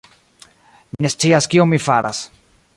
Mi ne scias kion mi faras.